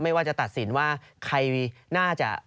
ว่าจะตัดสินว่าใครน่าจะ